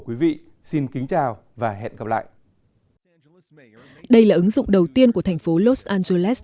quý vị xin kính chào và hẹn gặp lại đây là ứng dụng đầu tiên của thành phố los angeles